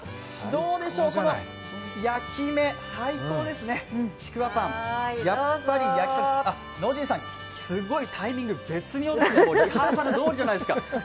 どうでしょう、この焼き目最高ですね、ちくわパンやっぱり焼きたて野尻さん、すごいタイミング絶妙ですね、もうリハーサルどおりじゃないですか。